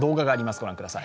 御覧ください。